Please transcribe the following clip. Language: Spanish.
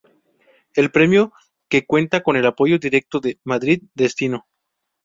El premio, que cuenta con el apoyo directo de "Madrid Destino.